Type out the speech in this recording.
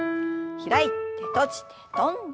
開いて閉じて跳んで。